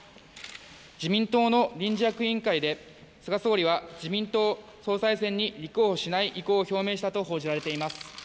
自民党の臨時役員会で菅総理は自民党総裁選に立候補しない意向を表明したと報じられています。